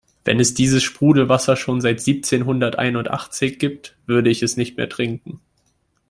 Wenn es dieses Sprudelwasser schon seit siebzehnhunderteinundachtzig gibt, würde ich es nicht mehr trinken.